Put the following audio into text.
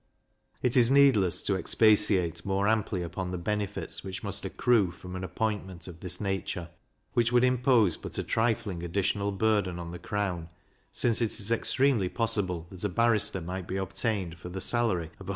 It is needless to expatiate more amply upon the benefits which must accrue from an appointment of this nature, which would impose but a trifling additional burden on the crown, since it is extremely possible that a barrister might be obtained for the salary of 150L.